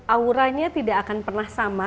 auranya tidak akan pernah sama